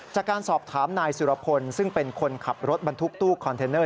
จากการสอบถามนายสุรพลซึ่งเป็นคนขับรถบรรทุกตู้คอนเทนเนอร์